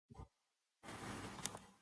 baltit t̪haŋatar niyas bila